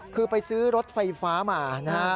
คือไปซื้อรถไฟฟ้ามานะฮะ